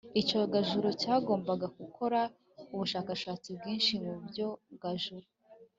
icyogajuru cyagombaga gukora ubushakashatsi bwinshi mu byogajuru